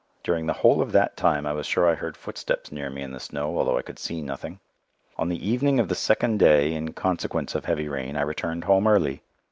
During the whole of that time I was sure I heard footsteps near me in the snow, although I could see nothing. On the evening of the second day, in consequence of heavy rain, I returned home early.